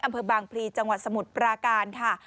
อำเภอบางพลีจังหวัดสมุทรปราการค่ะ